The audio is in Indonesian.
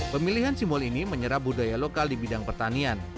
pemilihan simbol ini menyerap budaya lokal di bidang pertanian